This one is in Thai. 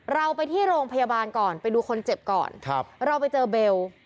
เราไปที่โรงพยาบาลก่อนไปดูคนเจ็บก่อนครับเราไปเจอเบล